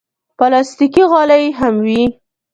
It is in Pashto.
پلاستيکي غالۍ هم وي.